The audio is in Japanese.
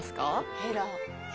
ヘラ！